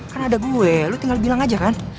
kan ada gue lu tinggal bilang aja kan